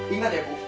ingat ya bu